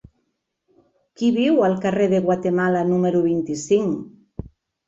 Qui viu al carrer de Guatemala número vint-i-cinc?